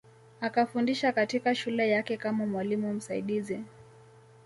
Akafundisha katika shule yake kama mwalimu msaidizi